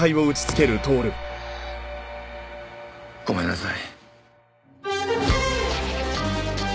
ごめんなさい。